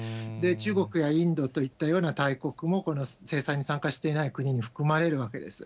中国やインドといったような大国もこの制裁に参加していない国に含まれるわけです。